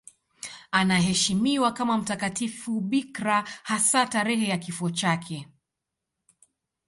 Anaheshimiwa kama mtakatifu bikira, hasa tarehe ya kifo chake.